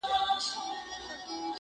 له حملې سره ملگری یې غړومبی سو-